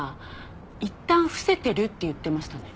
いったん伏せてるって言ってましたね。